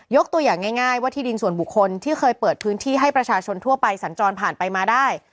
ตัวอย่างง่ายว่าที่ดินส่วนบุคคลที่เคยเปิดพื้นที่ให้ประชาชนทั่วไปสัญจรผ่านไปมาได้